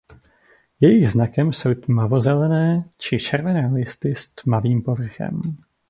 Jejich znakem jsou tmavozelené či červené listy s tmavým povrchem.